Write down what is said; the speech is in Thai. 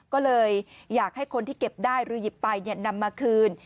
ก็เลยอยากให้คนที่เก็บได้หรือหยิบไปนำมาคืน